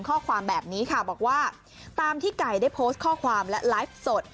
ข้อความแบบนี้ค่ะบอกว่าตามที่ไก่ได้โพสต์ข้อความและไลฟ์สด